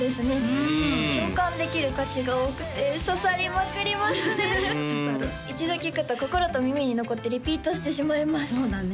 うん共感できる歌詞が多くて刺さりまくりますね刺さる一度聴くと心と耳に残ってリピートしてしまいますそうだね